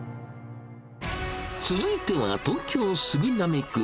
続いては、東京・杉並区。